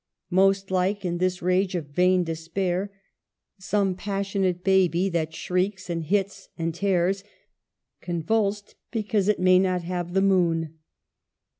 Most like, in this rage of vain despair, some pas sionate baby that shrieks, and hits, and tears, convulsed because it may not have the moon.